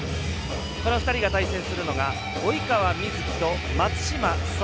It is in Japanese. この２人が対戦するのが及川瑞基と松島輝空。